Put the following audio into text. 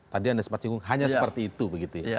tadi anda sempat singgung hanya seperti itu begitu ya